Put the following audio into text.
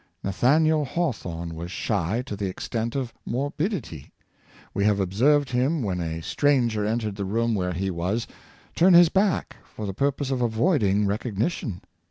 Nathaniel Hawthorne was shy to the extent of morbid ity. We have observed him, when a stranger entered the room where he was, turn his back for the purpose of avoiding recognition.